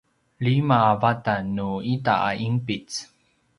lima a vatan nu ita a ’inpic